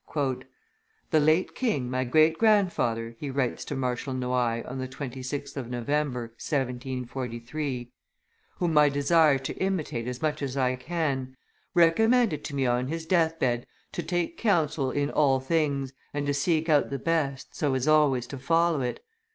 "The late king, my great grandfather," he writes to Marshal Noailles on the 26th of November, 1743, "whom I desire to imitate as much as I can, recommended me, on his death bed, to take counsel in all things, and to seek out the best, so as always to follow it.